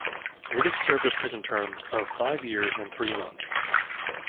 Riddick served a prison term of five years and three months.